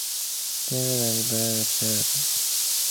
Simpson and Badal Sarkar.